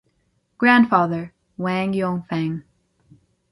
Grandfather — Wang Yongfang.